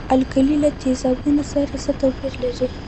القلي له تیزابو سره څه توپیر لري.